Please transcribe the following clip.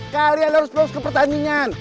karya harus berus ke pertandingan